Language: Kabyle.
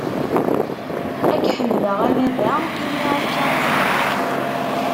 Ad k-ḥemdeɣ a Baba, imi akka i tebɣiḍ!